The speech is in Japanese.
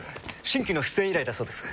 新規の出演依頼だそうです。